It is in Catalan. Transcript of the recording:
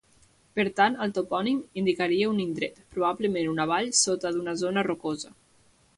Per tant, el topònim indicaria un indret, probablement una vall, dessota d'una zona rocosa.